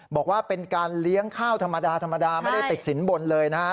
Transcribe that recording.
บอกว่าเป็นการเลี้ยงข้าวธรรมดาธรรมดาไม่ได้ติดสินบนเลยนะฮะ